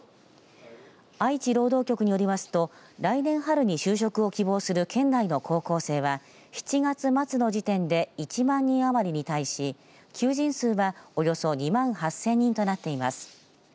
愛知労働局によりますと来年春に就職を希望する県内の高校生は７月末の時点で１万人余りに対し求人数は、およそ２万８０００人となっています。